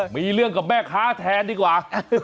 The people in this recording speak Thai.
มีเรื่องกับแม่ค้าแทนดีกว่า